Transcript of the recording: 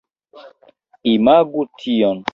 Imagu tion.